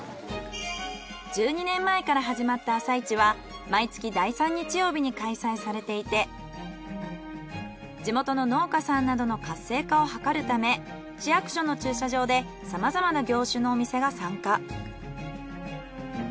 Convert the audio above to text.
１２年前から始まった朝市は毎月第３日曜日に開催されていて地元の農家さんなどの活性化をはかるため市役所の駐車場でさまざまな業種のお店が参加。